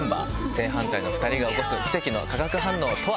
正反対の２人が起こす奇跡の化学反応とは？